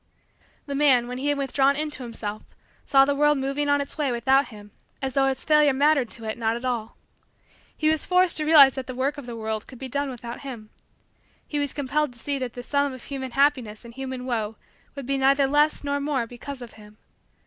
The man, when he had withdrawn into himself, saw the world moving on its way without him as though his failure mattered, to it, not at all. He was forced to realize that the work of the world could be done without him. He was compelled to see that the sum of human happiness and human woe would be neither less nor more because of him.